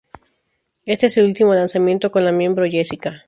Este es el último lanzamiento con la miembro Jessica.